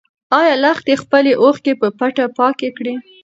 ايا لښتې خپلې اوښکې په پټه پاکې کړې؟